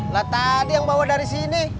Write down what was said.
lah tadi yang bawa dari sini